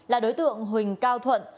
là đối tượng huỳnh cao thuận